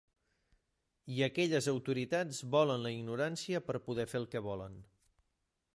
I aquelles autoritats volen la ignorància per poder fer el que volen.